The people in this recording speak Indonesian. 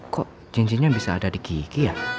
kok cincinnya bisa ada di gigi ya